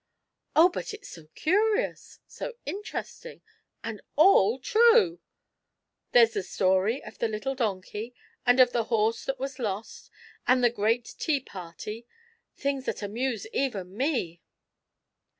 "Oh, but it's so curious — so interesting — and all true ! There's the story of the little donkey, and of the horse that was lost, and the great tea party — things that amuse even me."